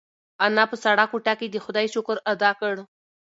انا په سړه کوټه کې د خدای شکر ادا کړ.